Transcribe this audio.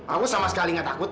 aku sama sekali nggak takut